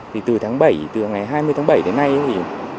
thì từ tháng bảy từ ngày hai mươi tháng bảy đến nay thì